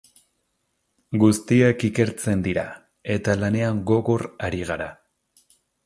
Guztiak ikertzen dira, eta lanean gogor ari gara.